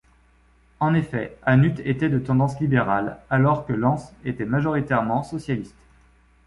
En effet, Hannut était de tendance libérale alors que Lens était majoritairement socialiste.